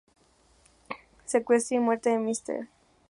Secuestro y muerte de Mr.